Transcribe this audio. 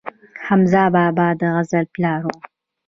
حمزه بابا د غزل پلار و